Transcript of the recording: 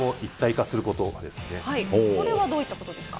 これはどういったことですか。